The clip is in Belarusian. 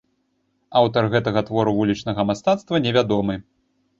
Аўтар гэтага твору вулічнага мастацтва невядомы.